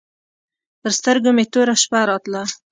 پر سترګو مې توره شپه راتله.